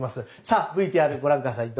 さあＶＴＲご覧下さい。